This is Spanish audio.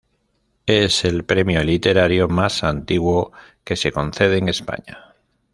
Es el premio literario más antiguo que se concede en España.